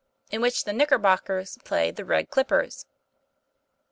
IN WHICH THE "KNICKERBOCKERS" PLAY THE "RED CLIPPERS.